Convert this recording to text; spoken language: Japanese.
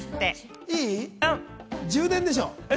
充電でしょ。